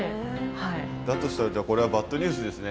だとしたらじゃあこれはバッドニュースですね。